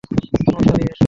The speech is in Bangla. সমস্যা নেই, হাসো!